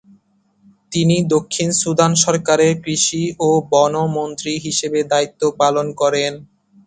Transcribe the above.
তিনি দক্ষিণ সুদান সরকারের কৃষি ও বন মন্ত্রী হিসেবে দায়িত্ব পালন করেন।